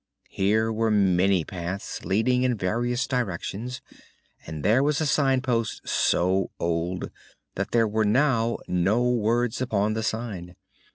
Here were many paths, leading in various directions, and there was a signpost so old that there were now no words upon the sign.